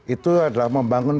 itu adalah membangun